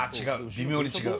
微妙に違う。